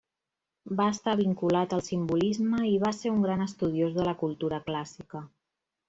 Va estar vinculat al simbolisme i va ser un gran estudiós de la cultura clàssica.